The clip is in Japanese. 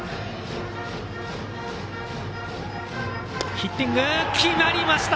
ヒッティング決まりました！